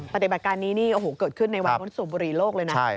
ปฏิบัติการนี้เกิดขึ้นในวันสวบบุรีโลกเลยนะ